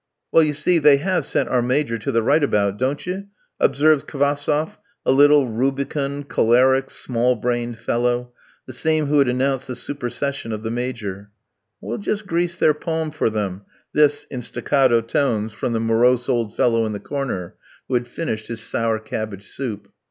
"Well, you see, they have sent our Major to the right about, don't ye?" observes Kvassoff, a little, rubicund, choleric, small brained fellow, the same who had announced the supersession of the Major. "We'll just grease their palm for them," this, in staccato tones from the morose old fellow in the corner who had finished his sour cabbage soup.